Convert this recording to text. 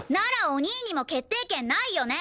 お兄にも決定権ないよね？